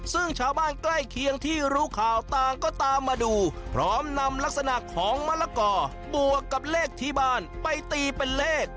ซึ่งชาวบ้านใกล้เคียงที่รู้ข่าวต่างก็ตามมาดูพร้อมนำลักษณะของมะละกอบวกกับเลขที่บ้านไปตีเป็นเลข